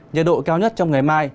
nhiệt độ cao nhất trong ngày mai